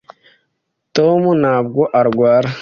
tom ntabwo arwara